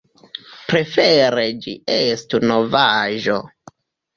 Prefere ĝi estu novaĵo.